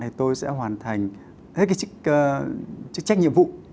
thì tôi sẽ hoàn thành hết cái chức trách nhiệm vụ